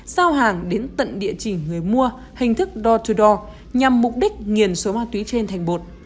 sao hàng đến tận địa chỉ người mua hình thức door to door nhằm mục đích nghiền số ma túy trên thành bột